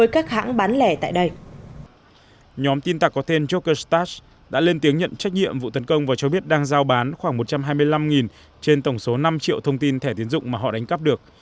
các tin tặc có tên jokerstats đã lên tiếng nhận trách nhiệm vụ tấn công và cho biết đang giao bán khoảng một trăm hai mươi năm trên tổng số năm triệu thông tin thẻ tiến dụng mà họ đánh cắp được